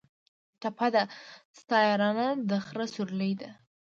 ټپه ده: ستا یارانه د خره سورلي ده